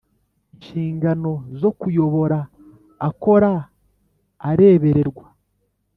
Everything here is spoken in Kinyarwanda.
Inshingano zo kuyobora akora arebererwa